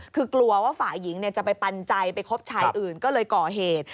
คือกลัวว่าฝ่ายหญิงจะไปปันใจไปคบชายอื่นก็เลยก่อเหตุ